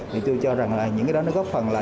thì tôi cho rằng là những cái đó nó góp phần là